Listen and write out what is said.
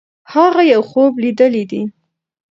هغې یو خوب لیدلی دی.